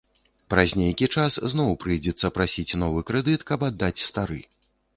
Праз нейкі час зноў прыйдзецца прасіць новы крэдыт, каб аддаць стары.